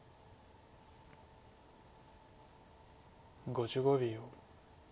５５秒。